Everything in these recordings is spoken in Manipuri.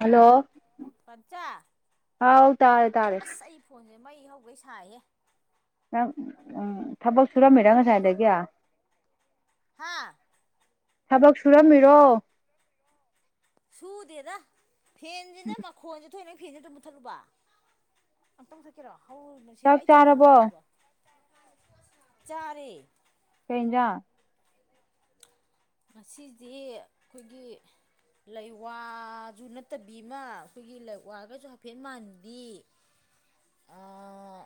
ꯍꯜꯂꯣ ꯄꯟꯆꯥ ꯍꯥꯎ ꯇꯥꯔꯦ ꯇꯥꯔꯦ ꯑꯁ ꯑꯩ ꯐꯣꯟꯖꯦ ꯃꯩ ꯍꯧꯒꯩ ꯁꯥꯏꯍꯦ ꯅꯪ ꯎꯝ ꯊꯕꯛ ꯁꯨꯔꯝꯃꯤꯔꯥ ꯉꯁꯥꯏꯗꯒꯤ ꯍꯥꯥ ꯊꯕꯛ ꯁꯨꯔꯝꯃꯤꯔꯣ ꯁꯨꯗꯦꯗꯥ ꯐꯦꯟꯁꯤꯅ ꯃꯈꯣꯟꯖꯤ ꯑꯊꯣꯏ ꯅꯪ ꯐꯦꯟꯖꯦ ꯑꯃꯇꯥ ꯃꯨꯠꯊꯠꯂꯨꯕ ꯑꯃꯇꯥ ꯃꯨꯊꯠꯀꯦꯔꯣ ꯍꯧꯅꯁꯤꯔꯦ ꯆꯥꯛ ꯑꯩ ꯁꯪꯒꯣꯝ ꯆꯥꯔꯕꯣ ꯄꯣꯔꯛꯑꯥꯕꯣ ꯆꯥꯔꯦ ꯀꯩꯏꯟꯖꯥꯡ ꯉꯁꯤꯗꯤ ꯈꯣꯏꯒꯤ ꯂꯩ ꯋꯥꯖꯨ ꯅꯠꯇꯕꯤꯃꯥ ꯑꯩꯈꯣꯏꯒꯤ ꯂꯩ ꯋꯥꯒꯥꯖꯨ ꯍꯥꯏꯐꯦꯠ ꯃꯥꯟꯕꯤ [inaudible] ꯑꯥ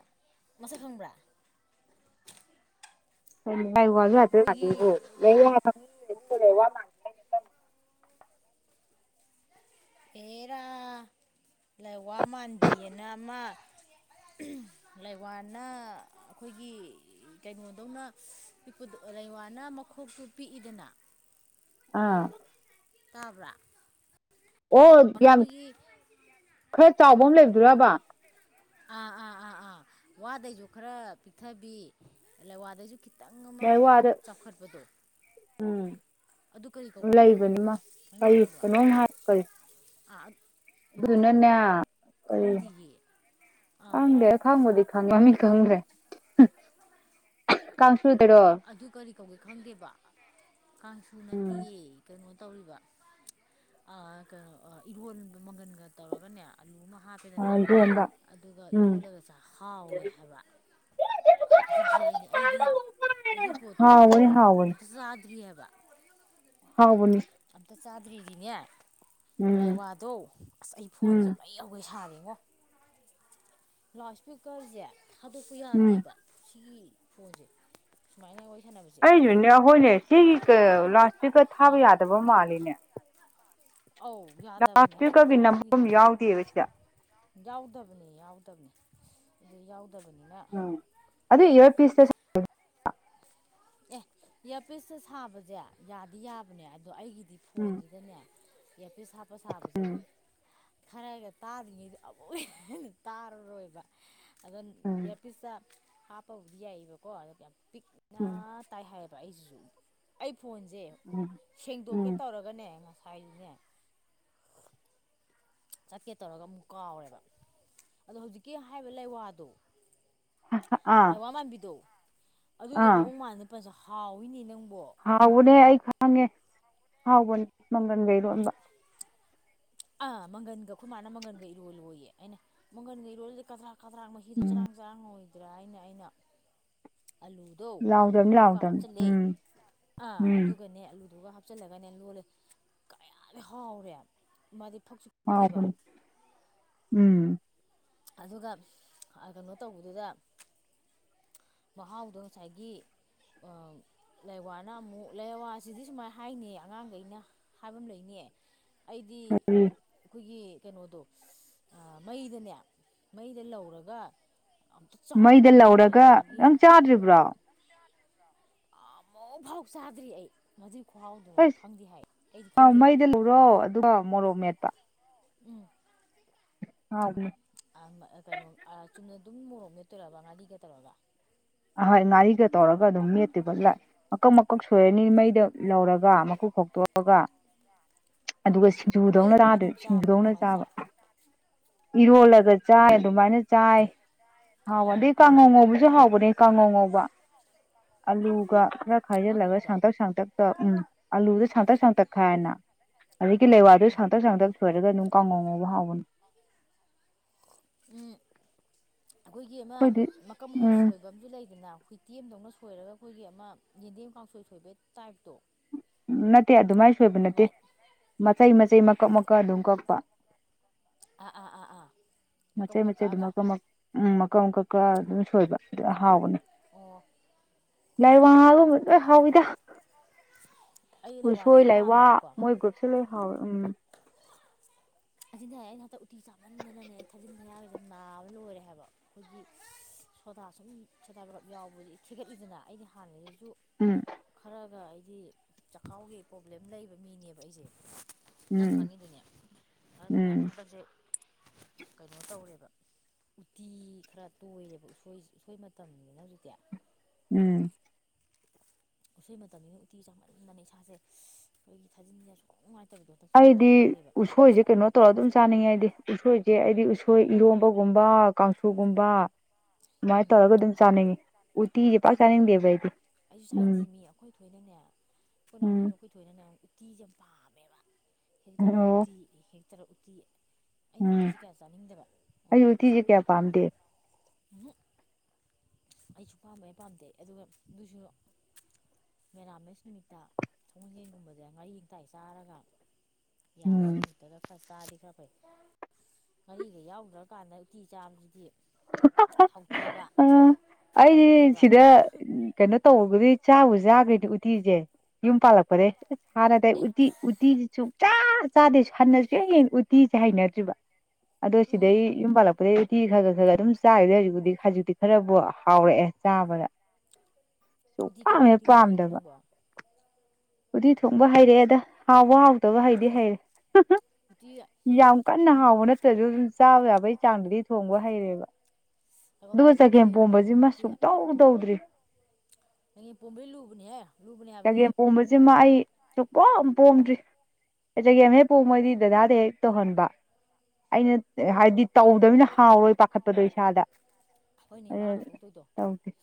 ꯃꯁꯛ ꯈꯪꯕ꯭ꯔꯥ ꯀꯩ ꯂꯥꯢꯋꯥꯖꯨ ꯍꯥꯢꯐꯦꯠ ꯑꯩꯈꯣꯏꯒꯤ ꯃꯥꯟꯕꯤꯕꯨ ꯂꯩꯋ ꯇꯪ ꯈꯣꯂꯦꯋ ꯃꯥꯟ ꯑꯦꯔꯥ ꯂꯩꯋꯥ ꯃꯥꯟꯕꯤꯑꯥꯅ ꯑꯃꯥ ꯂꯩꯋꯥꯅ ꯑꯈꯣꯏꯒꯤ ꯀꯩꯅꯣꯗꯧꯅ ꯄꯤꯛꯄꯗ ꯂꯩꯋꯥꯅ ꯃꯈꯣꯛꯇꯨ ꯄꯤꯛꯏꯗꯅ ꯑꯥ ꯇꯥꯕ꯭ꯔꯥ ꯑꯣ ꯂꯥꯏꯋꯥꯅ ꯌꯥꯝ ꯑꯩꯈꯣꯏꯒꯤ ꯈꯔ ꯆꯥꯎꯕ ꯑꯃ ꯂꯩꯕꯗꯨꯔꯥꯕ ꯑꯥ ꯑꯥ ꯑꯥ ꯑꯥ ꯋꯥꯗꯩꯖꯨ ꯈꯔꯥ ꯄꯤꯛꯊꯥꯕꯤ ꯂꯩꯋꯥꯗꯩꯖꯨ ꯈꯤꯇꯪ ꯑꯃꯥ ꯂꯥꯏꯋꯥꯗ ꯆꯥꯎꯈꯠꯄꯗꯣ ꯑꯗꯨ ꯀꯔꯤ ꯎꯝ ꯀꯧꯒꯦ ꯂꯩꯕꯅꯤꯃꯥ ꯃꯃꯤꯡ ꯀꯔꯤ ꯈꯪꯕ꯭ꯔꯣ ꯀꯩꯅꯣꯝ ꯍꯥꯏ ꯀꯔꯤ ꯑꯥ ꯑꯠ ꯑꯗꯨꯗꯨꯅꯥꯅꯦ ꯀꯔꯤ ꯈꯪꯗꯤꯌꯦ ꯑꯥ ꯈꯪꯗꯦ ꯈꯪꯕꯨꯗꯤ ꯈꯪꯉꯦ ꯃꯥꯃꯤꯡ ꯈꯪꯗ꯭ꯔꯦ [unintelligible] ꯀꯥꯡꯁꯨ ꯗꯔꯣ ꯑꯗꯨ ꯀꯔꯤ ꯀꯧꯒꯦ ꯈꯪꯗꯦꯕ ꯀꯥꯡꯁꯨ ꯎꯝ ꯅꯠꯇꯦꯌꯦ ꯀꯩꯅꯣ ꯇꯧꯔꯤꯕ ꯑ ꯀꯩꯅꯣ ꯑ ꯏꯔꯣꯟꯕꯥ ꯃꯪꯒꯟꯒꯥ ꯇꯧꯔꯥꯒꯅꯦ ꯑꯂꯨ ꯑꯃꯥ ꯑ ꯍꯥꯞꯄꯦꯗꯅ ꯏꯔꯣꯝꯕ ꯑꯗꯨꯒ ꯎꯝ ꯏꯔꯣꯜꯂꯒ ꯆꯥ ꯍꯥꯎꯋꯦ ꯍꯥꯏꯕ ꯅꯆꯤꯟ ꯊꯤ ꯍꯥꯏꯅꯤ ꯑꯩꯗꯤ ꯑꯗꯨꯏ ꯄꯣꯠꯇꯣ ꯍꯥꯎꯕꯅꯤ ꯍꯥꯎꯕꯅꯤ ꯑꯝꯇꯥ ꯆꯥꯗ꯭ꯔꯤꯑꯥꯕ ꯍꯥꯎꯕꯅꯦ ꯑꯝꯇꯥ ꯆꯥꯗ꯭ꯔꯤꯗꯤꯅꯦ ꯂꯥꯏ ꯎꯝ ꯋꯥꯗꯣ ꯑꯁ ꯑꯩ ꯐꯣꯟꯁꯦ ꯎꯝ ꯃꯩ ꯃꯩ ꯍꯧꯒꯩ ꯁꯥꯔꯦꯉꯣ ꯂꯥꯎꯠ ꯏꯁꯄꯤꯀꯔꯁꯦ ꯊꯥꯗꯣꯛꯄ ꯎꯝ ꯌꯥꯗꯦꯕ ꯁꯤꯒꯤ ꯐꯣꯟꯁꯦ ꯁꯨꯃꯥꯏꯅ ꯋꯥꯔꯤ ꯁꯥꯟꯅꯕ ꯑꯩꯁꯨꯅꯦ ꯍꯣꯏꯅꯦ ꯁꯤꯒꯤ ꯀ ꯂꯥꯎꯠ ꯏꯁꯀꯔ ꯊꯥꯕ ꯑꯥ ꯌꯥꯗꯕ ꯃꯥꯜꯂꯤꯅꯦ ꯑꯧ ꯂꯥꯎꯠ ꯌꯥꯗꯕꯅꯦ ꯍꯥꯏꯕ ꯏꯁꯄꯤꯀꯔꯒꯤ ꯅꯝꯐꯝ ꯑꯗꯨꯒꯤꯅꯦꯕ ꯌꯥꯎꯗꯦꯕ ꯁꯤꯗ ꯌꯥꯎꯗꯕꯅꯦ ꯌꯥꯎꯗꯕꯅꯦ ꯑꯗꯨ ꯌꯥꯎꯗꯕꯅꯤꯅ ꯑꯗꯨꯏ ꯏꯌꯥꯔꯄꯤꯁ ꯑꯦ ꯏꯌꯥꯔꯄꯤꯁꯇ ꯁꯥꯕꯁꯦ ꯌꯥꯗꯤ ꯌꯥꯕꯅꯦ ꯑꯗꯣ ꯑꯩꯒꯤꯗꯤ ꯎꯝ ꯐꯣꯟꯁꯤꯗꯅꯦ ꯏꯌꯥꯔꯄꯤꯁ ꯍꯥꯞꯄ ꯁꯥꯕꯁꯦ ꯈꯔꯒ ꯇꯥꯗ꯭ꯔꯤꯉꯩꯗ ꯑꯃꯨꯛ ꯍꯦꯟꯅ ꯇꯥꯔꯔꯣꯏꯕ ꯑꯗꯣ ꯎꯝ ꯏꯌꯥꯔꯄꯤꯁꯇ ꯍꯥꯞꯄꯕꯨꯗꯤ ꯌꯥꯏꯌꯦꯕꯀꯣ [inaudible] ꯌꯥꯝ ꯄꯤꯛꯅ ꯎꯝ ꯇꯥꯏ ꯍꯥꯏꯌꯦꯕ ꯑꯩꯖꯤꯁꯨ ꯑꯩ ꯐꯣꯟꯁꯦ ꯎꯝ ꯁꯦꯡꯗꯣꯛꯀꯦ ꯎꯝ ꯇꯧꯔꯒꯅꯦ ꯉꯁꯥꯏꯗꯤꯅꯦ ꯆꯠꯀꯦ ꯇꯧꯔꯒ ꯑꯃꯨꯛ ꯀꯥꯎꯔꯦꯕ ꯑꯗꯣ ꯍꯧꯖꯤꯛꯀꯤ ꯍꯥꯏꯔꯤꯕ ꯂꯩꯋꯥꯗꯣ ꯑꯥ ꯂꯩꯋꯥ ꯃꯥꯟꯕꯤꯗꯣ ꯑꯗꯨꯗꯣ ꯑꯥ ꯃꯑꯣꯡ ꯃꯥꯟꯗ ꯐꯖ ꯍꯥꯎꯋꯤꯅꯦ ꯅꯪꯕꯣ ꯍꯥꯎꯕꯅꯦ ꯑꯩ ꯈꯪꯉꯦ ꯍꯥꯎꯕꯅꯦ ꯃꯪꯒꯟꯒ ꯏꯔꯣꯟꯕ ꯑꯥ ꯃꯪꯒꯟꯒ ꯑꯈꯣꯏꯃꯥꯅ ꯃꯪꯒꯟꯒ ꯏꯔꯣꯜꯂꯣꯌꯦ ꯑꯩꯅ ꯃꯪꯒꯟꯒ ꯏꯔꯣꯜꯂꯗꯤ ꯀꯥꯗꯔꯥꯛ ꯀꯥꯗ꯭ꯔꯥꯛ ꯃꯍꯤꯗꯣ ꯆꯔꯥꯡ ꯆꯔꯥꯡꯉꯣꯏꯗ꯭ꯔꯥꯅ ꯍꯥꯏꯅ ꯑꯩꯅ ꯑꯂꯨ ꯗꯣ ꯂꯥꯎꯗꯕꯅꯤ [inaudible] ꯂꯥꯎꯗꯕꯅꯤ ꯍꯥꯞꯆꯤꯜꯂꯦ ꯎꯝ ꯑ ꯎꯝ ꯑꯗꯨꯒꯅꯦ ꯑꯂꯨꯗꯨꯒ ꯍꯥꯞ ꯍꯥꯞꯆꯤꯜꯂꯒꯅꯦ ꯂꯣꯜꯂꯦ ꯀꯌꯥꯗꯤ ꯍꯥꯎꯔꯦ ꯃꯥꯗꯤ ꯐꯛꯁꯨ ꯐꯛꯇꯦꯕ ꯍꯥꯎꯕꯅꯤ ꯎꯝ ꯑꯗꯨꯒ ꯀꯩꯅꯣ ꯇꯧꯕꯗꯨꯗ ꯃꯍꯥꯎꯗꯣ ꯉꯁꯥꯏꯒꯤ ꯑ ꯂꯩꯋꯥꯅ ꯑꯃꯨꯛ ꯂꯩꯋꯥꯁꯤꯗꯤ ꯁꯨꯃꯥꯏꯅ ꯍꯥꯏꯅꯤ ꯑꯉꯥꯡꯒꯩꯅ ꯍꯥꯏꯕ ꯑꯃ ꯂꯩꯅꯦ ꯑꯩꯗꯤ ꯑꯈꯣꯏꯒꯤ ꯀꯩꯅꯣꯗꯣ ꯑ ꯃꯩꯗꯅꯦ ꯃꯩꯗ ꯂꯧꯔꯒ ꯑꯝꯇ ꯆꯥꯎ ꯃꯩꯗ ꯂꯧꯔꯒ ꯅꯪ ꯆꯥꯗ꯭ꯔꯤꯕ꯭ꯔꯣ ꯅꯪ ꯆꯥꯗ꯭ꯔꯤꯕ꯭ꯔꯣ ꯑꯃꯨꯛ ꯐꯧ ꯆꯥꯗ꯭ꯔꯤ ꯑꯩ ꯃꯗꯨꯏ ꯈꯨꯍꯥꯎꯗꯣ ꯈꯪꯗꯦ ꯍꯥꯏ ꯑꯩꯗꯤ ꯈꯪꯗꯦꯕ ꯔꯣ ꯑꯗꯨꯒ ꯃꯣꯔꯣꯛ ꯃꯦꯠꯄ [inaudible] ꯎꯝ ꯍꯥ ꯑꯗꯨꯅꯤ ꯑ ꯀꯩꯅꯣ ꯑ ꯆꯨꯝꯅ ꯑꯗꯨꯝ ꯃꯣꯔꯣꯛ ꯃꯦꯠꯇꯣꯏꯔꯕ ꯉꯥꯔꯤꯒ ꯇꯧꯔꯒ ꯍꯣꯏ ꯉꯔꯤꯒ ꯇꯧꯔꯒ ꯑꯗꯨꯝ ꯃꯦꯠꯇꯣꯏꯕ ꯃꯀꯛ ꯃꯀꯛ ꯁꯣꯏꯔꯅꯤ ꯃꯩꯗ ꯂꯧꯔꯒ ꯃꯀꯨ ꯈꯣꯛꯇꯣꯛꯑꯒ ꯑꯗꯨꯒ ꯅꯣꯏ ꯁꯤꯡꯖꯨꯗꯧꯅ ꯑꯗꯨꯃꯥꯏꯅ ꯆꯥꯗꯣꯏ ꯑꯗꯨꯝ ꯆꯥꯕ꯭ꯔꯥ ꯁꯤꯡꯖꯨꯗꯧꯅ ꯀꯃꯥꯏꯅ ꯆꯥꯕ ꯆꯥꯏ ꯏꯔꯣꯜꯂꯒ ꯆꯥꯏ ꯑꯗꯨꯃꯥꯏꯅ ꯆꯥꯏ ꯑꯥ ꯍꯥꯎꯕꯗꯤ ꯀꯥꯡꯉꯧ ꯉꯧꯕꯁꯨ ꯍꯥꯎꯕꯅꯦ ꯀꯥꯡꯉꯧ ꯉꯧꯕ ꯑꯂꯨꯒ ꯈꯔ ꯈꯥꯏꯖꯤꯜꯂꯒ ꯀꯥꯡꯍꯧꯗꯣ ꯁꯥꯡꯇꯛ ꯁꯥꯡꯇꯛꯇ ꯎꯝ ꯑꯥꯂꯨꯗꯨ ꯁꯥꯡꯇꯛ ꯁꯥꯡꯇꯛꯈꯥꯏꯔꯦꯅ ꯑꯗꯥꯒꯤ ꯂꯩꯋꯥꯗꯨ ꯎꯝ ꯁꯥꯡꯇꯛ ꯁꯥꯡꯇꯛ ꯁꯣꯏꯔꯒ ꯑꯗꯨꯝ ꯀꯥꯡꯉꯧ ꯉꯧꯕ ꯍꯥꯎꯕꯅꯦ ꯎꯝ ꯑꯈꯣꯏꯒꯤ ꯑꯃ ꯑꯩꯈꯣꯏꯗꯤ ꯃꯀꯛ ꯃꯀꯛ ꯎꯝ ꯁꯣꯏ ꯕꯖꯨꯃ ꯂꯩꯗꯅ ꯍꯨꯏꯇꯦꯟꯗꯧꯅ ꯁꯣꯏꯔꯒ ꯑꯈꯣꯏꯒꯤ ꯑꯃ ꯌꯦꯟꯗꯦꯝ ꯀꯥꯡꯁꯣꯏ ꯁꯣꯏꯕꯩ ꯇꯥꯏꯞꯇꯣ ꯅꯠꯇꯦ ꯑꯗꯨꯃꯥꯏꯅ ꯁꯣꯏꯕ ꯅꯠꯇꯦ ꯑꯗꯨꯃꯥꯏꯅ ꯃꯆꯩ ꯃꯆꯩ ꯃꯀꯛ ꯃꯀꯛ ꯑꯗꯨꯝ ꯀꯛꯄ ꯑꯥ ꯑꯥ ꯑꯥ ꯑꯥ ꯃꯀꯛ ꯃꯆꯩ ꯃꯀꯛ ꯃꯆꯩ ꯑꯗꯨꯝ ꯀꯛꯑꯒ ꯃꯀꯛ ꯎꯝ ꯃꯀꯛ ꯃꯀꯛ ꯀꯛꯑꯒ ꯑꯗꯨꯝ ꯁꯣꯏꯕ ꯑꯗꯨ ꯍꯥꯎꯕꯅꯦ ꯑꯣ ꯂꯩꯋꯥꯕꯨꯕ ꯂꯣꯏ ꯍꯥꯎꯋꯤꯗ ꯑꯩ ꯎꯁꯣꯏ ꯂꯩꯋꯥꯗꯤ ꯂꯥꯏꯋꯥ ꯄꯥꯝꯃꯦꯕꯀꯣ ꯃꯣꯏ ꯒ꯭ꯔꯨꯞꯁꯦ ꯂꯣꯏ ꯍꯥꯎꯋꯦ ꯎꯝ ꯑꯁꯤꯟꯊꯣꯏ ꯑꯩꯩ ꯍꯟꯇꯛ ꯎꯇꯤ ꯆꯥꯃꯟꯗꯅꯅꯦ ꯑꯩ ꯊꯥꯖꯤꯟ ꯊꯥꯌꯥꯒꯖꯦ ꯅꯥꯕ ꯂꯣꯏꯔꯦ ꯍꯥꯏꯕ ꯑꯩꯈꯣꯏꯒꯤ ꯁꯣꯗꯥ ꯁꯨꯝ ꯁꯣꯗꯥ ꯚꯥꯏꯒꯞ ꯌꯥꯎꯕꯖꯤ ꯈꯦꯒꯠꯂꯤꯗꯅ ꯑꯩꯗꯤ ꯍꯥꯟꯅꯗꯩꯁꯨ ꯁꯨ ꯎꯝ ꯈꯔꯒ ꯑꯩꯗꯤ ꯆꯈꯥꯎꯒꯤ ꯄ꯭ꯔꯣꯕ꯭ꯂꯦꯝ ꯂꯩꯕ ꯃꯤꯅꯦꯕ ꯑꯩꯁꯦ ꯅꯪ ꯎꯝ ꯈꯪꯉꯤꯗꯨꯅꯤ ꯑꯗꯨꯅ ꯎꯝ ꯍꯟꯗꯛꯁꯦ ꯀꯩꯅꯣ ꯇꯧꯔꯦꯕ ꯎꯇꯤ ꯈꯔ ꯇꯣꯏꯔꯦꯕ ꯎꯁꯣꯏ ꯃꯇꯝꯅꯤꯅ ꯍꯧꯖꯤꯛꯇꯤ ꯎꯝ ꯎꯁꯣꯏ ꯃꯇꯝꯅꯤꯅ ꯎꯇꯤ ꯆꯥꯃꯟꯗꯅ ꯏꯁꯥꯁꯦ ꯑꯩꯈꯣꯏꯒꯤ ꯊꯥꯖꯤꯟꯒ ꯁꯣꯛ ꯅꯨꯡꯉꯥꯏꯇꯕꯤꯗꯣ ꯍꯗꯛꯁꯨ ꯑꯗꯨꯝ ꯇꯧ ꯑꯩꯗꯤ ꯂꯩꯔꯦꯕ ꯎꯁꯣꯏꯁꯦ ꯀꯩꯅꯣ ꯇꯧꯔ ꯑꯗꯨꯝ ꯆꯥꯅꯤꯡꯉꯦ ꯑꯩꯗꯤ ꯎꯁꯣꯏꯁꯦ ꯑꯩꯗꯤ ꯎꯁꯣꯏ ꯏꯔꯣꯝꯕꯒꯨꯝꯕ ꯀꯥꯡꯁꯨꯒꯨꯝꯕ ꯑꯗꯨꯃꯥꯏꯅ ꯇꯧꯔꯒ ꯑꯗꯨꯝ ꯆꯥꯅꯤꯡꯉꯤ ꯎꯇꯤꯖꯦ ꯄꯥꯛ ꯎꯇꯤꯗꯤ ꯀꯦ ꯆꯥꯅꯤꯡꯗꯦꯕ ꯑꯩꯗꯤ ꯑꯩꯁꯨ ꯎꯝ ꯆꯥꯅꯤꯡꯗꯦꯃꯤ ꯑꯩꯈꯣꯏ ꯊꯣꯏꯅꯅꯦ ꯑꯩꯈꯣꯏ ꯅꯥꯎꯄꯤꯗꯨ ꯎꯝ ꯑꯩꯈꯣꯏ ꯊꯣꯏꯅꯅꯦ ꯎꯇꯤꯁꯦ ꯌꯥꯝ ꯄꯥꯝꯃꯦꯕ ꯍꯦꯛ ꯇꯧꯔ ꯑꯣ ꯎꯇꯤ ꯍꯦꯛ ꯇꯧꯔ ꯎꯇꯤ ꯑꯩꯅ ꯎꯝ ꯎꯇꯤꯖꯦ ꯀꯌꯥ ꯆꯥꯅꯤꯡꯗꯕ ꯑꯩ ꯑꯗꯩꯗꯤ ꯎꯇꯤꯁꯦ ꯎꯁꯣꯏ ꯀꯌꯥ ꯄꯥꯝꯗꯦ [unintelligible] ꯑꯩ ꯁꯨꯡ ꯄꯥꯝ ꯍꯦꯛ ꯄꯥꯝꯗꯦ ꯑꯗꯨꯒ ꯑꯗꯨꯁꯨ ꯃꯦꯔꯥꯃꯦꯁ ꯅꯨꯃꯤꯠꯇ ꯁꯒꯣꯡꯖꯦꯟꯒꯨꯝꯕꯗ ꯉꯥꯔꯤ ꯉꯇꯥꯏ ꯆꯥꯔꯒ ꯌꯥꯕ ꯎꯝ ꯅꯨꯃꯤꯠꯇꯒ ꯈꯔ ꯆꯥꯗꯤ ꯈꯔ ꯐꯩ ꯉꯥꯔꯤꯒ ꯌꯥꯎꯗ꯭ꯔꯀꯥꯟꯗ ꯎꯇꯤ ꯆꯥꯕꯁꯤꯗꯤ ꯍꯥꯎꯇꯦꯕ ꯑꯩ ꯑꯥ ꯑꯩꯗꯤ ꯇꯜꯂꯦꯕ ꯁꯤꯗ ꯀꯩꯅꯣ ꯇꯧꯕꯗꯩ ꯆꯥꯕꯨ ꯆꯥꯗ꯭ꯔꯦꯗ ꯎꯇꯤꯁꯦ ꯌꯨꯝ ꯄꯥꯜꯂꯛꯄꯗꯩ ꯍꯥꯟꯅꯗꯤ ꯑꯩ ꯑꯦ ꯎꯇꯤ ꯎꯇꯤꯁꯤ ꯁꯨꯡ ꯆꯥ ꯆꯥꯗꯦ ꯍꯟꯅꯁꯨ ꯁꯨꯌꯦꯡ ꯎꯇꯤꯁꯦ ꯍꯩꯅꯗ꯭ꯔꯤꯕ ꯑꯗꯣ ꯎꯝ ꯁꯤꯗꯩ ꯌꯨꯝ ꯄꯥꯜꯂꯛꯄꯗꯒꯤ ꯎꯇꯤ ꯈꯔ ꯈꯔ ꯈꯔ ꯑꯗꯨꯝ ꯆꯥꯈꯤꯗꯩ ꯍꯧꯖꯤꯛꯄꯨꯗꯤ ꯍꯧꯖꯤꯛꯇꯤ ꯈꯔꯕꯨ ꯍꯥꯎꯔꯛꯑꯦ ꯆꯥꯕꯗ ꯁꯨꯡ ꯎꯇꯤ ꯄꯥꯝ ꯀꯩꯀꯩ ꯍꯦꯛ ꯎꯇꯤ ꯊꯣꯡ ꯍꯩꯒꯦ ꯄꯥꯝꯗꯕ ꯅꯪꯕꯣ ꯎꯇꯤ ꯊꯣꯡꯕ ꯍꯩꯔꯛꯑꯦꯗ ꯍꯥꯎꯕ ꯍꯥꯎꯇꯕ ꯍꯩꯗꯤ ꯍꯩꯔꯦ ꯎꯇꯤ ꯌꯥꯝ ꯀꯟꯅ ꯍꯥꯎꯕ ꯅꯠ ꯅꯠꯇꯁꯨ ꯑꯗꯨꯝ ꯆꯥꯕ ꯌꯥꯕꯒꯤ ꯆꯥꯡꯗꯨꯗꯤ ꯊꯣꯡꯕ ꯍꯩꯔꯦꯕ ꯑꯗꯨꯒ ꯁꯒꯣꯜꯍꯋꯥꯏ ꯎꯇꯤ ꯆꯒꯦꯝ ꯃꯪꯒꯟ ꯄꯣꯝꯕꯁꯤꯃ ꯎꯇꯤ ꯁꯨꯛꯇꯧ ꯇꯧꯗ꯭ꯔꯤ ꯆꯒꯦꯝ ꯄꯣꯝꯕꯗꯤ ꯂꯨꯕꯅꯦꯍꯦ ꯂꯨꯕꯅꯦ ꯍꯥꯏꯕꯗꯤ ꯆꯒꯦꯝ ꯄꯣꯝꯕꯁꯤꯃ ꯑꯩ ꯁꯨꯡꯄꯣꯝ ꯄꯣꯝꯗ꯭ꯔꯤ ꯆꯒꯦꯝ ꯍꯦꯛ ꯄꯣꯝꯃꯗꯤ ꯗꯥꯗꯥꯗ ꯍꯦꯛ ꯇꯧꯍꯟꯕ ꯑꯩꯅ ꯍꯥꯏꯗꯤ ꯇꯧꯗꯃꯤꯅ ꯍꯥꯎꯔꯣꯏ ꯄꯥꯈꯠꯄꯗꯣ ꯏꯁꯥꯗ ꯍꯣꯏꯅꯦ ꯑꯗꯨꯅ ꯃꯥꯡꯅ ꯇꯣꯛꯇꯣꯏꯗꯣ ꯇꯧꯗꯦ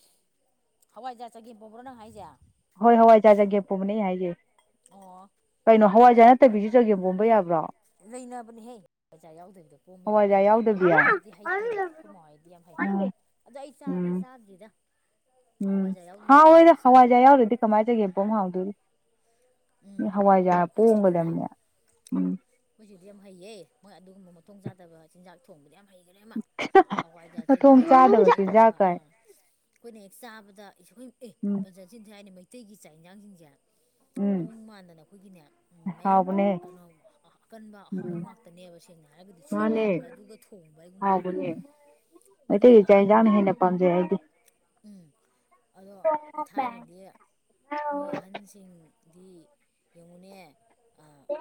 ꯍꯋꯥꯏꯖꯥꯔ ꯆꯒꯦꯝ ꯄꯣꯝꯕꯔꯣ ꯅꯪ ꯍꯥꯏꯁꯦ ꯍꯣꯏ ꯍꯋꯥꯏꯖꯥꯔ ꯆꯒꯦꯝ ꯄꯣꯝꯕꯅꯦ ꯑꯩ ꯍꯥꯏꯖꯦ ꯑꯣ ꯀꯩꯅꯣ ꯍꯋꯥꯏꯖꯥꯔ ꯅꯠꯇꯕꯤꯁꯨ ꯆꯒꯦꯝ ꯄꯣꯝꯕ ꯌꯥꯕ꯭ꯔꯣ ꯂꯩꯅꯕꯅꯦꯍꯦ ꯑꯣꯖꯥ ꯌꯥꯎꯗꯕꯤꯗꯣ ꯄꯣꯝꯕ ꯌꯥꯕ ꯍꯋꯥꯏꯖꯥꯔ ꯂꯩꯕꯅꯦ ꯌꯥꯎꯗꯕꯤ ꯑꯩꯈꯣꯏ ꯑꯩꯗꯤ ꯍꯩꯇꯦꯕ ꯑꯩꯈꯣꯏ ꯃꯥꯍꯣꯢꯗꯤ ꯌꯥꯝ ꯍꯩ ꯎꯝ ꯑꯗꯣ ꯑꯩ ꯆꯥꯗꯤ ꯎꯝ ꯆꯥꯗ꯭ꯔꯤꯗ ꯎꯝ ꯍꯋꯥꯏꯖꯥꯔ ꯌꯥꯎꯗꯅ ꯍꯥꯎꯋꯤꯗ ꯄꯣꯝꯕꯗꯤ ꯆꯥꯗ꯭ꯔꯤ ꯍꯋꯥꯢꯖꯥꯔ ꯌꯥꯎꯗ꯭ꯔꯗꯤ ꯀꯃꯥꯏꯅ ꯇꯧꯒꯦ ꯄꯣ ꯍꯥꯎꯗꯧꯔꯤ ꯃꯤ ꯎꯝ ꯍꯋꯥꯏꯖꯥꯔ ꯄꯣꯡꯉꯒ ꯂꯩꯔꯝꯃꯦ ꯃꯣꯏꯁꯤꯗꯤ ꯌꯥꯝ ꯍꯩꯌꯦ ꯃꯣꯏ ꯑꯗꯨꯒꯨꯝꯕ ꯃꯊꯣꯡ ꯆꯥꯗꯕ ꯆꯤꯟꯖꯥꯛ ꯊꯣꯡꯕꯗ ꯌꯥꯝ ꯍꯩꯈꯔꯦ ꯑꯃ ꯍꯋꯥꯏꯖꯥꯔ ꯃꯊꯣꯡ ꯆꯥꯛꯒꯦꯝ ꯆꯥꯗꯕ ꯄꯣꯝꯕꯒꯨꯝꯕ ꯆꯤꯟꯖꯥꯛ ꯀꯥꯏ ꯑꯩꯈꯣꯏꯅ ꯍꯦꯛ ꯆꯥꯕꯗ ꯑꯩꯈꯣꯏ ꯑꯦ ꯎꯝ ꯑꯣꯟꯖꯥ ꯆꯤꯟ ꯊꯤ ꯍꯥꯏꯅꯤ ꯃꯩꯇꯩꯒꯤ ꯆꯥꯛ ꯌꯦꯟꯖꯥꯡꯁꯤꯡꯁꯦ ꯎꯝ ꯃꯑꯣꯡ ꯃꯥꯟꯗꯅ ꯑꯩꯈꯣꯏꯒꯤꯅꯦ ꯃꯌꯥ ꯍꯥꯎꯕꯅꯦ ꯀꯩꯅꯣ ꯑꯀꯟꯕ ꯑꯍꯥꯎꯕ ꯎꯝ ꯉꯥꯛ ꯇꯅꯦꯕ ꯁꯦꯡꯅ ꯍꯥꯏꯔꯒꯗꯤ ꯃꯥꯅꯦ ꯁꯣꯏꯕꯨꯝꯕ ꯑꯗꯨꯒ ꯊꯣꯡꯕ ꯍꯥꯢꯒꯨꯝꯕ ꯃꯩꯇꯩ ꯒꯤ ꯆꯥꯛ ꯌꯦꯟꯁꯥꯡꯅ ꯍꯦꯟꯅ ꯄꯥꯝꯖꯩ ꯑꯩꯗꯤ ꯎꯝ ꯑꯗꯣ ꯊꯥꯏꯅꯗꯤ ꯃꯤ ꯑꯍꯟꯁꯤꯡ ꯗꯤ ꯌꯦꯡꯉꯨꯅꯦ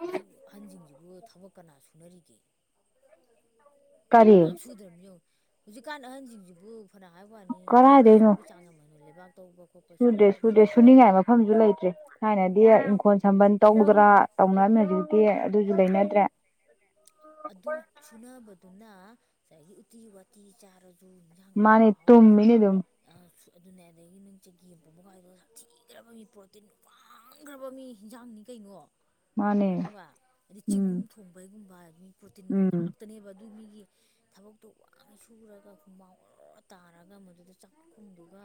ꯍꯧꯖꯤꯛ ꯑꯍꯟꯁꯤꯡꯁꯤꯕꯨ ꯊꯕꯛ ꯀꯅꯥ ꯁꯨ ꯁꯨꯅꯔꯤꯒꯦ ꯀꯔꯤ ꯀꯅꯥꯝ ꯁꯨꯗ꯭ꯔꯕꯅꯤ ꯌꯦꯡꯉꯣ ꯍꯧꯖꯤꯛꯀꯥꯟ ꯑꯍꯟꯁꯤꯡꯁꯤꯕꯨ ꯐꯅ ꯍꯥꯏꯕꯩ ꯋꯥꯅꯤ ꯊꯕꯛ ꯀꯔꯥꯏꯗꯩꯅꯣ ꯁꯨꯕ ꯆꯥꯡ [unintelligible] ꯂꯩꯕꯥꯛ ꯇꯧꯕ ꯈꯣꯠꯄ ꯁꯨꯝꯕ ꯁꯨꯗ꯭ꯔꯦ ꯑꯝꯇ ꯁꯨꯗ꯭ꯔꯦ ꯂꯩꯅꯗ꯭ꯔꯦ ꯍꯥꯏꯕ ꯁꯨꯅꯤꯡꯉꯥꯏ ꯃꯐꯝꯁꯨ ꯂꯩꯇ꯭ꯔꯦ ꯊꯥꯏꯅꯗꯤ ꯏꯪꯈꯣꯜ ꯁꯝꯕꯟ ꯎꯝ ꯇꯧꯗꯅꯥ ꯇꯧꯅꯔ ꯂꯩ ꯑꯗꯨꯁꯨ ꯂꯩꯅꯗ꯭ꯔꯦ ꯑꯗꯨ ꯁꯨꯅꯕꯗꯨꯅ ꯉꯁꯥꯏꯒꯤ ꯎꯇꯤ ꯋꯥꯇꯤ ꯆꯥꯔꯁꯨ ꯏꯟꯁꯥꯡ ꯑꯍꯥꯎ ꯃꯥꯅꯦ ꯑꯍꯥꯎꯕ ꯇꯨꯝꯃꯤꯅꯦ ꯑꯗꯨꯝ ꯑꯗꯨꯅꯦ ꯑꯗꯒꯤ [unintelligible] [unintelligible] ꯁꯥꯊꯤꯈ꯭ꯔꯕ ꯃꯤ ꯄ꯭ꯔꯣꯇꯤꯟ ꯋꯥꯡ ꯋꯥꯡꯈ꯭ꯔꯕ ꯃꯤ ꯍꯟꯖꯥꯡꯅꯤ ꯀꯩꯅꯣ ꯃꯥꯅꯦ ꯈꯪꯓꯕ ꯍꯥꯏꯗꯤ ꯎꯝ ꯆꯤꯡꯒꯨꯝ ꯊꯣꯡꯕꯒꯨꯝꯕ ꯃꯤ ꯄ꯭ꯔꯣꯇꯤꯟ ꯎꯝ ꯉꯥꯛꯇꯅꯦꯕ ꯑꯗꯨꯒꯤ ꯃꯤꯒꯤ ꯊꯕꯛꯇꯣ ꯋꯥꯡꯅ ꯁꯨꯔꯒ ꯍꯨꯃꯥꯎ ꯑꯣꯏꯔꯣ ꯇꯥꯔꯒ ꯃꯗꯨꯗ ꯆꯥꯛꯈꯨꯝꯗꯨꯒ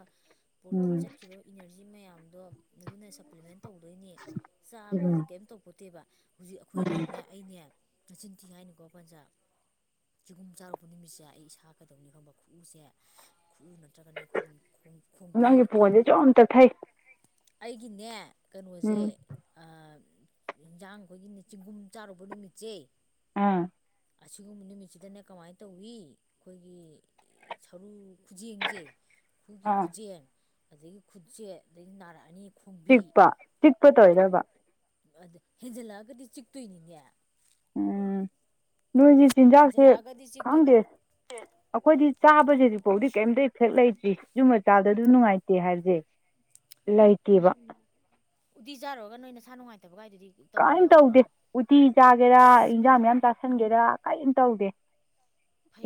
ꯄ꯭ꯔꯣꯇꯤꯟ ꯎꯝ ꯆꯠꯈꯤꯕ ꯏꯅꯔꯖꯤ ꯃꯌꯥꯝꯗꯣ ꯑꯗꯨꯅ ꯏꯝꯄ꯭ꯂꯤꯃꯦꯟ ꯇꯧꯗꯣꯏꯅꯦ ꯎꯝ ꯆꯥꯕꯗꯗꯤ ꯀꯔꯤꯝ ꯇꯧꯄꯣꯟꯇꯦꯕ ꯍꯧꯖꯤꯛ ꯑꯩꯈꯣꯏꯗꯤ ꯌꯦꯡꯉꯨꯅꯦ ꯑꯩꯅꯦ ꯅꯆꯤꯟꯊꯤ ꯍꯥꯏꯅꯤꯀꯣ ꯄꯟꯖꯥ ꯆꯤꯒꯨꯝ ꯆꯥꯔꯨꯄ ꯅꯨꯃꯤꯠꯁꯦ ꯑꯩ ꯁꯧ ꯀꯗꯧꯅꯤ ꯈꯪꯉꯕ ꯈꯨꯎꯁꯦ ꯈꯨꯎ ꯅꯠꯇ꯭ꯔꯒꯅ ꯑꯩꯈꯣꯏꯒꯤ ꯈꯣꯡ ꯎꯝ ꯈꯣꯡꯕꯤ ꯅꯪꯒꯤ ꯐꯣꯟꯁꯦ ꯁꯨꯝ ꯇꯞꯊꯩ ꯑꯩꯒꯤꯅꯦ ꯀꯩꯅꯣꯁꯦ ꯎꯝ ꯌꯦꯟꯖꯥꯡ ꯑꯩꯈꯣꯏꯒꯤ ꯆꯤꯡꯒꯨꯝ ꯆꯥꯔꯨꯄ ꯅꯨꯃꯤꯠꯁꯦ ꯑꯝ ꯑꯁꯤꯒꯨꯝꯕ ꯅꯨꯃꯤꯠꯁꯤꯗꯅꯦ ꯀꯃꯥꯏꯅ ꯇꯧꯋꯤ ꯑꯩꯈꯣꯏꯒꯤ ꯁꯔꯨ ꯈꯨꯖꯦꯡꯁꯦ ꯈꯨꯠꯒꯤ ꯑꯥ ꯈꯨꯖꯦꯟ ꯑꯗꯒꯤ ꯈꯨꯆꯦꯛ ꯑꯗꯒꯤ ꯅꯥꯔꯛꯑꯅꯤ ꯈꯣꯡꯕꯤ ꯆꯤꯛꯄ ꯆꯤꯛꯄ ꯇꯧꯔꯤꯔꯕ ꯑꯗ ꯍꯦꯟꯖꯜꯂꯛꯑꯒꯗꯤ ꯆꯤꯛꯇꯣꯏꯅꯤꯅꯦ ꯎꯝ ꯅꯣꯏꯗꯤ ꯆꯤꯟꯖꯥꯛꯁꯦ ꯍꯦꯟꯖꯜꯂꯛꯑꯒꯗꯤ ꯆꯤꯛꯇꯣꯏꯕ ꯈꯪꯗꯦ ꯑꯩꯈꯣꯏꯗꯤ ꯆꯥꯕꯁꯤꯗꯤꯐꯥꯎꯗꯤ ꯀꯔꯤꯝꯇ ꯍꯦꯛ ꯂꯩꯇ꯭ꯔꯤ ꯑꯗꯨꯃ ꯆꯥꯕꯗ ꯑꯗꯨ ꯅꯨꯡꯉꯥꯏꯇꯦ ꯍꯥꯏꯕꯁꯦ ꯂꯩꯇꯦꯕ ꯎꯗꯤ ꯆꯥꯔꯨꯔꯒ ꯅꯣꯏ ꯅꯁꯥꯥ ꯅꯨꯡꯉꯥꯏꯇꯕꯒꯥꯏꯗꯨꯗꯤ ꯇꯧꯕ ꯀꯔꯤꯝ ꯌꯥꯎꯕ꯭ꯔꯣ ꯇꯧꯗꯦ ꯎꯇꯤ ꯆꯥꯒꯦꯔꯥ ꯑꯁ ꯏꯟꯖꯥꯡ ꯄꯟꯖꯅ ꯃꯌꯥꯝ ꯎꯝ ꯆꯥꯥꯁꯟꯒꯦꯔꯥ ꯀꯔꯤꯝ ꯇꯧꯗꯦ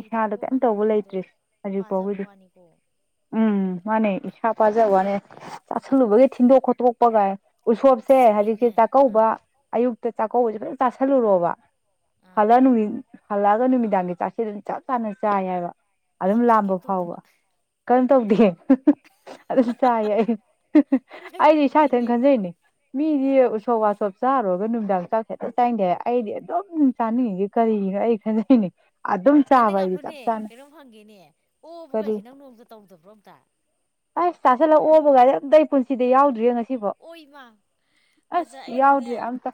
ꯏꯁꯥꯗ ꯀꯩꯝ ꯅꯪꯗꯤ ꯇꯧꯕ ꯍꯦꯗꯣ ꯂꯩꯇ꯭ꯔꯤ ꯍꯧꯖꯤꯛ ꯄꯥꯖꯕ ꯐꯥꯎꯒꯤꯗꯤ ꯋꯥꯅꯤꯀꯣ ꯎꯝ ꯃꯥꯅꯦ ꯏꯁꯥ ꯄꯥꯖꯕꯩ ꯁꯦ ꯋꯥꯅꯦ ꯆꯥꯥꯁꯜꯂꯨꯕꯒꯤ ꯊꯤꯟꯗꯣꯛ ꯈꯣꯠꯇꯣꯛꯄꯒꯥꯏ ꯎꯁꯣꯞꯁꯦ ꯑꯁ ꯍꯧꯖꯤꯛꯁꯦ ꯑꯩꯅꯦ ꯆꯥꯛꯀꯧꯕ ꯑꯥ ꯑꯌꯨꯛꯇꯥ ꯆꯥꯛꯀꯧꯕꯖꯦ ꯐꯖꯟ ꯆꯥꯁꯜꯂꯨꯔꯣꯕ ꯑꯥ ꯍꯜꯂ ꯅꯨꯡꯗꯤꯟ ꯍꯜꯂꯛꯑꯒ ꯅꯨꯃꯤꯗꯥꯡꯒꯤ ꯆꯥꯛꯁꯤ ꯑꯗꯨꯝ ꯆꯞ ꯆꯥꯅ ꯆꯥꯏ ꯍꯥꯏꯕ ꯑꯗꯨꯝ ꯑꯁꯝ ꯆꯥꯏ ꯂꯥꯝꯕ ꯀꯩꯝ ꯐꯥꯎꯕ ꯇꯧꯗꯕ ꯀꯔꯤꯝ ꯇꯧꯗꯦ ꯑꯗꯨꯁꯨ ꯆꯥꯏꯌꯦ ꯑꯩ ꯑꯩꯗꯤ ꯏꯁꯥ ꯅꯪꯗꯤ ꯏꯊꯟ ꯈꯟꯖꯩꯅꯦ ꯃꯤꯗꯤ ꯑꯥ ꯎꯁꯣꯞ ꯋꯥꯁꯣꯞ ꯆꯥꯔꯨꯔꯒ ꯅꯨꯃꯤꯗꯥꯡ ꯆꯥꯛ ꯍꯦꯛꯇꯥ ꯆꯥꯅꯤꯡꯗꯦ ꯑꯩꯗꯤ ꯑꯗꯨꯝ ꯆꯥꯅꯤꯡꯉꯤꯒꯤꯖꯦ ꯀꯔꯤꯒꯤꯅꯣ ꯑꯩ ꯈꯟꯖꯩꯅꯤ ꯅꯪ ꯅꯪ ꯉꯥꯛꯈꯣꯏꯅꯦ ꯀꯩꯅꯣꯝ ꯍꯪꯒꯦꯅꯦ ꯑꯣꯕ ꯀꯔꯤ ꯀꯩꯁꯦ ꯅꯪ ꯅꯣꯡꯇꯥ ꯇꯧꯗꯕ꯭ꯔꯣ ꯑꯝꯇ ꯑꯁ ꯆꯥꯁꯤꯜꯂ ꯑꯣꯕꯒꯥꯏꯗꯤ ꯑꯝꯇ ꯑꯩ ꯄꯨꯟꯁꯤꯗ ꯌꯥꯎꯗ꯭ꯔꯤꯌꯦ ꯉꯁꯤꯕꯣꯛ ꯑꯣꯏꯃꯥ ꯑꯁ ꯌꯥꯎꯗ꯭ꯔꯤ ꯑꯝꯇꯥ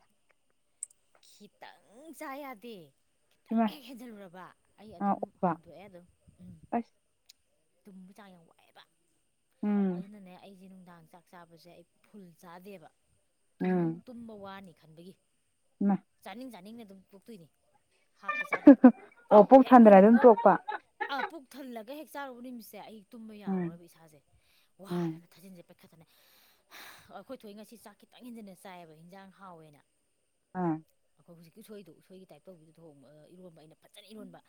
ꯈꯤꯇꯪ ꯆꯥ ꯌꯥꯗꯦ ꯈꯤꯇꯪ ꯏꯃꯥꯏ ꯍꯦꯛ ꯍꯦꯟꯖꯜꯂꯨꯔꯕ ꯑꯩ ꯑ ꯑꯗꯨꯝ ꯑꯣꯛꯄ ꯍꯟꯇꯣꯛꯑꯦ ꯑꯗꯨꯝ ꯑꯁ ꯇꯨꯝꯕ ꯆꯥꯡ ꯌꯥꯝ ꯋꯥꯏꯑꯦꯕ ꯎꯝ ꯑꯗꯨꯅꯅꯦ ꯑꯩꯖꯦ ꯅꯨꯡꯗꯥꯡ ꯆꯥꯛ ꯆꯥꯕꯁꯦ ꯑꯩ ꯐꯨꯜ ꯆꯥꯗꯦꯕ ꯇꯨꯝꯕ ꯇꯨꯝꯕ ꯋꯥꯅꯤ ꯈꯟꯕꯒꯤ ꯃꯥ ꯆꯥꯅꯤꯡ ꯆꯥꯅꯤꯡꯅ ꯑꯗꯨꯝ ꯇꯣꯛꯇꯣꯏꯅꯦ ꯍꯥꯞꯇꯥ ꯆꯥꯗꯣꯏꯕ ꯑꯣ ꯄꯨꯛ ꯍꯦꯛ ꯊꯟꯗꯅ ꯑꯗꯨꯝ ꯅꯨꯃꯤꯠꯇꯨꯃ ꯇꯣꯛꯄ ꯑꯥ ꯄꯨꯛ ꯊꯜꯂꯒ ꯍꯦꯛ ꯆꯥꯔꯨꯕ ꯅꯨꯃꯤꯠꯁꯦ ꯑꯩ ꯇꯨꯝꯕ ꯎꯝ ꯌꯥꯔꯔꯣꯏꯕ ꯏꯁꯥꯖꯦ ꯎꯝ ꯋꯥꯔꯒ ꯊꯥꯖꯤꯟꯖꯦ ꯄꯩ ꯈꯠꯇꯅ ꯑꯩꯈꯣꯏ ꯊꯣꯏ ꯉꯁꯤ ꯆꯥꯛ ꯈꯤꯇꯪ ꯍꯦꯟꯖꯟꯅ ꯆꯥꯏꯑꯕ ꯍꯤꯟꯖꯥꯡ ꯍꯥꯎꯋꯦꯅ ꯑꯥ ꯑꯈꯣꯏ ꯍꯨꯖꯤꯛꯀꯤ ꯎꯁꯣꯏꯗꯨ ꯎꯁꯣꯏꯒꯤ ꯇꯥꯏꯞ ꯇꯧꯕꯤꯗꯣ ꯊꯣꯡꯕ ꯑꯥ ꯏꯔꯣꯟꯕ ꯑꯩꯅ ꯐꯖꯅ ꯏꯔꯣꯟꯕ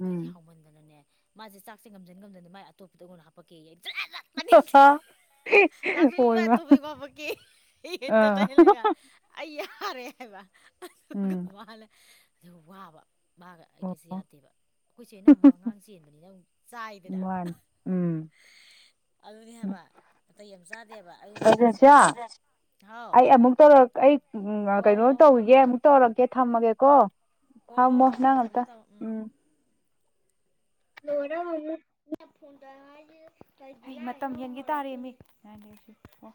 ꯎꯝ ꯍꯥꯎꯃꯟꯗꯅꯅꯦ ꯃꯥꯖꯦ ꯆꯥꯛꯁꯦ ꯉꯝꯖꯟ ꯉꯝꯗꯅ ꯃꯥꯏ ꯑꯇꯣꯠꯄꯗꯣ ꯑꯩꯉꯣꯟꯗ ꯍꯥꯄꯛꯀꯦꯌꯦ ꯆꯥꯅꯤꯡꯗꯦ [unintelligible] ꯍꯣꯏꯃ ꯑꯥ [unintelligible] ꯑꯩ ꯌꯥꯔꯦ ꯍꯥꯏꯕ ꯑꯗꯨꯒ ꯎꯝ ꯃꯥꯅ ꯑꯗꯨ ꯋꯥꯕ ꯃꯥꯒ ꯑꯩꯒꯁꯦ ꯑꯣ ꯌꯥꯗꯦꯕ ꯑꯩꯈꯣꯏ ꯆꯦꯅ ꯑꯃꯨꯛ ꯑꯉꯥꯡ ꯆꯦꯟꯕꯅꯤꯅ ꯑꯃꯨꯛ ꯆꯥꯏꯗꯅ ꯃꯥꯟ ꯎꯝ ꯑꯗꯨꯅꯦ ꯍꯥꯏꯕ ꯅꯇꯩ ꯌꯥꯝ ꯆꯥꯗꯦꯕ ꯑꯗꯨꯅ ꯑꯩ ꯖꯝ ꯔꯖꯤꯌꯥ [inaudible] ꯍꯥꯎ ꯑꯩ ꯑꯃꯨꯛ ꯇꯧꯔꯛ ꯑꯩ ꯑꯥ ꯍꯣ ꯀꯩꯅꯣ ꯍꯣ ꯍꯣ ꯍꯣ ꯇꯧꯒꯤꯒꯦ ꯍꯣꯏ ꯑꯃꯨꯛ ꯇꯧꯔꯛꯀꯦ ꯊꯝꯃꯒꯦꯀꯣ ꯍꯣ ꯍꯣ ꯊꯝꯃꯣ ꯍꯣ ꯍꯣꯏ ꯅꯪ ꯊꯝꯃꯣ ꯑꯝꯇꯥ ꯊꯝꯃꯣ ꯎꯝ ꯂꯣꯏꯔ [unintelligible] ꯍꯩ ꯃꯇꯝ ꯍꯦꯟꯒꯤ ꯇꯥꯔꯦꯃꯤ [inaudible]